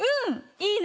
いいね。